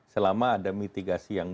selama ada mitigasi yang